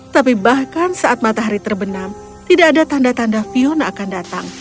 tapi bahkan saat matahari terbenam tidak ada tanda tanda fiona akan datang